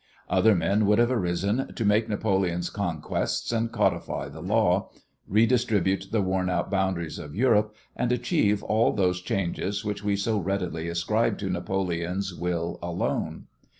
Other men would have arisen to make Napoleon's conquests and codify the law, redistribute the worn out boundaries of Europe and achieve all those changes which we so readily ascribe to Napoleon's will alone.